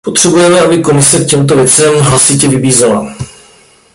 Potřebujeme, aby Komise k těmto věcem hlasitě vybízela.